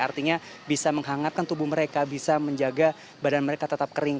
artinya bisa menghangatkan tubuh mereka bisa menjaga badan mereka tetap kering